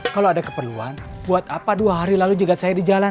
kalau ada keperluan buat apa dua hari lalu jegat saya di jalan